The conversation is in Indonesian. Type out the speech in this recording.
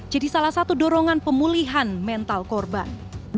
jadi salah satu dorongan pemulihan mental korban